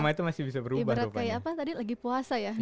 ibarat kayak apa tadi lagi puasa ya